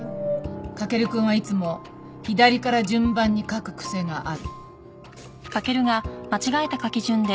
駆くんはいつも左から順番に書く癖がある。